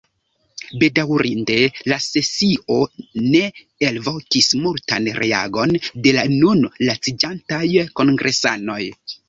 Bedaŭrinde la sesio ne elvokis multan reagon de la nun laciĝantaj kongresanoj.